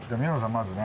まずね。